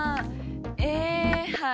えはい。